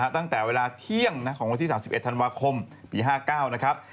ตั้งแต่เวลาเที่ยงของวันที่๓๑ธันวาคมปี๕๙นะครับ